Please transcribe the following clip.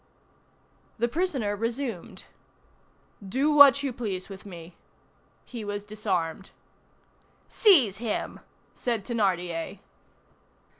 The prisoner resumed:— "Do what you please with me." He was disarmed. "Seize him!" said Thénardier.